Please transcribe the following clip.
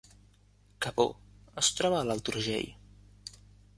Cabó es troba a l’Alt Urgell